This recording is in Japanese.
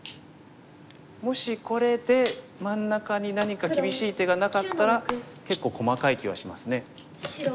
もしこれで真ん中に何か厳しい手がなかったら結構細かい気はしますね。